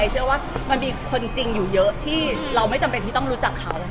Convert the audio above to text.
เชื่อว่ามันมีคนจริงอยู่เยอะที่เราไม่จำเป็นที่ต้องรู้จักเขา